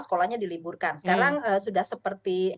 sekolahnya diliburkan sekarang sudah seperti